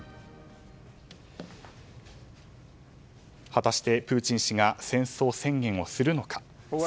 果たしてプーチン氏が戦争宣言をするのか。